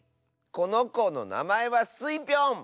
このこのなまえはスイぴょん！